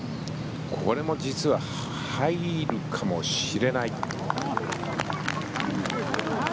これも実は入るかもしれない。